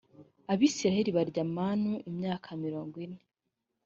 abisirayeli barya manu imyaka mirongo ine